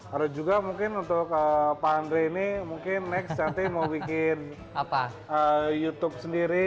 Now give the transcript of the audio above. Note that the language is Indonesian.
ada juga mungkin untuk pak andre ini mungkin next nanti mau bikin youtube sendiri